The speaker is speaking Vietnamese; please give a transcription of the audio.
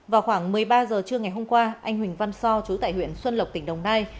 vào khoảng một mươi ba h trưa ngày hôm qua anh huỳnh văn so chú tại huyện xuân lộc tỉnh đồng nai